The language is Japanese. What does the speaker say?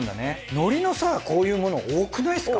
のりのさこういうもの多くないですか？